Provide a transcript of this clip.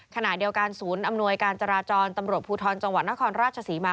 ขณะเดียวกันศูนย์อำนวยการจราจรตำรวจภูทรจังหวัดนครราชศรีมา